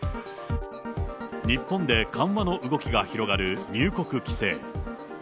日本で緩和の動きが広がる入国規制。